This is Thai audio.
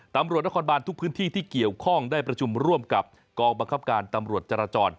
ตำรวจนครบานทุกพื้นที่ที่เกี่ยวข้องได้ประชุมร่วมกับกองบังคับการตำรวจจราจร